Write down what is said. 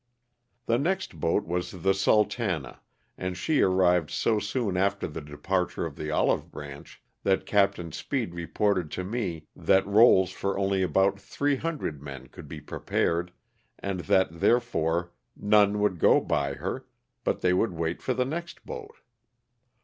" The next boat was the * Sultana,' and she arrived so soon after the departure of the * Olive Branch ' that Captain Speed reported to me that rolls for only about 300 men could be pre pared, and that, therefore, none would go by her, but they would wait for the next boat.